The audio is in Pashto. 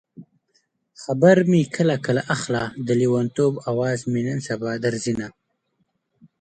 خبر مې کله کله اخله د لېونتوب اواز مې نن سبا درځينه